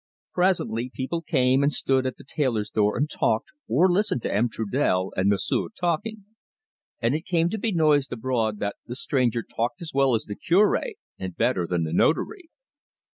Presently people came and stood at the tailor's door and talked, or listened to Louis Trudel and M'sieu' talking. And it came to be noised abroad that the stranger talked as well as the Cure and better than the Notary.